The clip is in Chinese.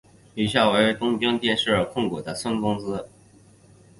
以下为东京电视控股的孙公司。